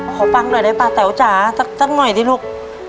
ขอฟังหน่อยได้ป่ะแต่วจ๋าตั้งหน่อยสิลูก